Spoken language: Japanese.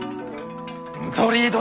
鳥居殿！